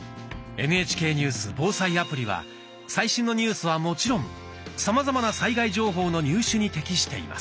「ＮＨＫニュース・防災アプリ」は最新のニュースはもちろんさまざまな災害情報の入手に適しています。